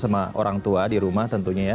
sama orang tua di rumah tentunya ya